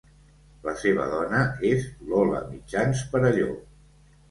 La seva dona és Lola Mitjans Perelló.